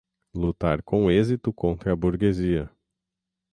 lutar com êxito contra a burguesia